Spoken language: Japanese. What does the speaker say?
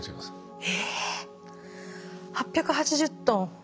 ８８０トン。